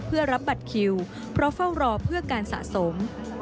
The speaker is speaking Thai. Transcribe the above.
เพื่อรับบัตรคิวเพราะเฝ้ารอเพื่อการสะสม